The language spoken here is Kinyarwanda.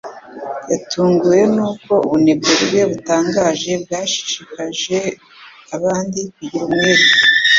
Yatunguwe nuko ubunebwe bwe butangaje bwashishikarije abandi kugira umwete.